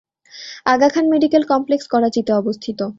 আগা Khan medical complex করাচিতে অবস্থিত।